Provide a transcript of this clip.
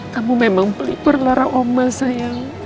kamu memang pelih perlahan mama sayang